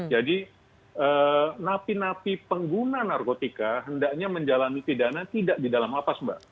jadi napi napi pengguna narkotika hendaknya menjalani pidana tidak di dalam lapas mbak